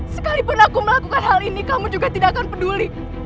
sekalipun aku melakukan hal ini kamu juga tidak akan peduli